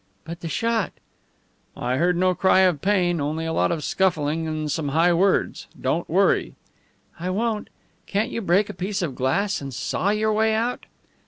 "But the shot!" "I heard no cry of pain, only a lot of scuffling and some high words. Don't worry." "I won't. Can't you break a piece of glass and saw your way out?"